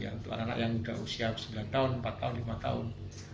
untuk anak anak yang sudah usia sembilan tahun empat tahun lima tahun